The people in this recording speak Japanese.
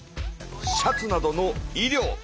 シャツなどの衣料。